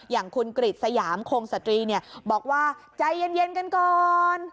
อย่างคุณกริจสยามคงสตรีบอกว่าใจเย็นกันก่อน